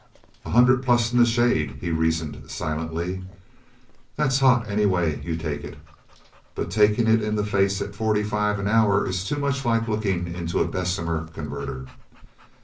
"A hundred plus in the shade," he reasoned silently. "That's hot any way you take it. But taking it in the face at forty five an hour is too much like looking into a Bessemer converter!"